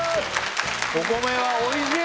お米はおいしい！